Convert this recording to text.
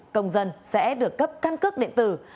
công dân sẽ được cấp căn cước điện tử